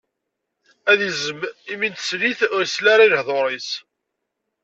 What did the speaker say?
Ad yezzem imi n teslit, ur isel i lehḍur-is.